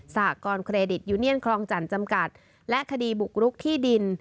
หกรณ์เครดิตยูเนียนคลองจันทร์จำกัดและคดีบุกรุกที่ดิน